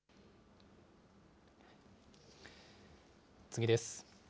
次です。